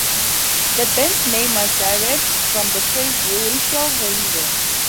The band's name was derived from the phrase Racial Holy War.